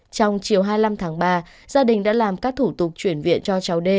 trong chiều hai mươi năm tháng ba gia đình đã làm các thủ tục chuyển viện cho cháu đê